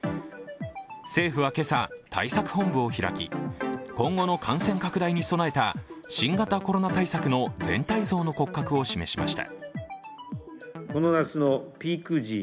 政府は今朝、対策本部を開き今後の感染拡大に備えた新型コロナ対策の全体像の骨格を示しました。